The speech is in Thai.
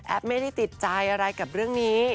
ไม่ได้ติดใจอะไรกับเรื่องนี้